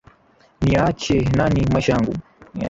Niyaachie nani maisha yangu?